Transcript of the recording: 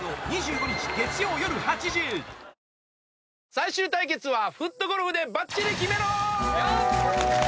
最終対決はフットゴルフでバッチリキメろ！